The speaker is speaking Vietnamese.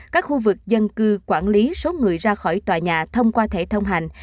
các khu vực dân cư quản lý số người ra khỏi tòa nhà thông qua thẻ thông hành